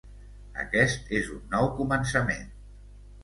Aquest és un nou començament.